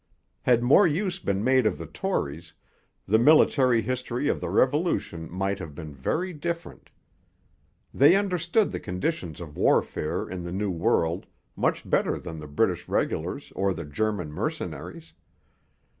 Had more use been made of the Tories, the military history of the Revolution might have been very different. They understood the conditions of warfare in the New World much better than the British regulars or the German mercenaries.